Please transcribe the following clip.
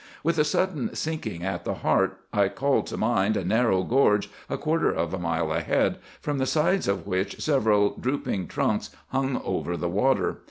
With a sudden sinking at the heart I called to mind a narrow gorge a quarter of a mile ahead, from the sides of which several drooping trunks hung over the water.